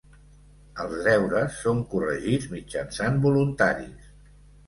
Els deures són corregits mitjançant voluntaris.